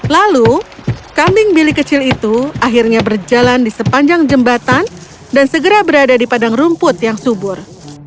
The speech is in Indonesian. lalu kambing bili kecil itu akhirnya berjalan di sepanjang jembatan dan segera berada di padang rumput yang subur